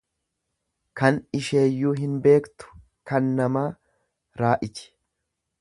Kan isheeyyuu hin beektu kan namaa raaiji.